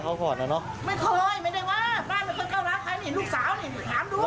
ป้าอยู่มานานแล้วแต่พวกมันพึ่งมากันเมื่อเย็นนี่แหละ